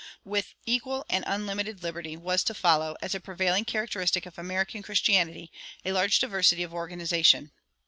With equal and unlimited liberty, was to follow, as a prevailing characteristic of American Christianity, a large diversity of organization.